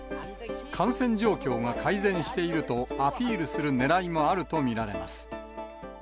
感染状況が改善しているとアピールするねらいもあると見られます。